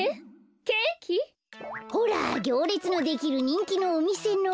ほらぎょうれつのできるにんきのおみせの。